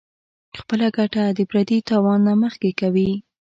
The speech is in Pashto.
خپله ګټه د پردي تاوان نه مخکې کوي -